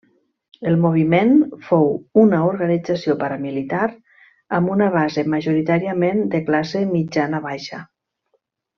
El Moviment fou una organització paramilitar amb una base majoritàriament de classe mitjana baixa.